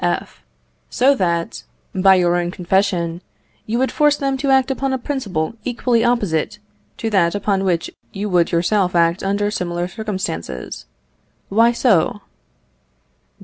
F. So that, by your own confession, you would force them to act upon a principle equally opposite to that upon which you would yourself act under similar circumstances. Why so?